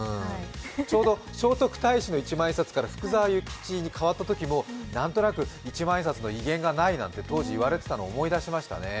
ちょうど聖徳太子の一万円札から福澤諭吉に代わったときも何となく一万円札の威厳がないなんて当時言われていたのを思い出しますね。